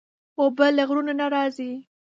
اوبه له غرونو نه راځي.